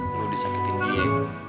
lu disakitin dia